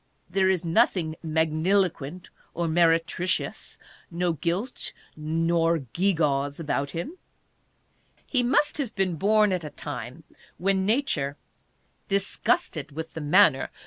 There is nothing magniloquent or meretricious, no gilt nor gewgaws about him. He must have been born at a time when Nature, disgusted with the manner in 44 ADDRESSES.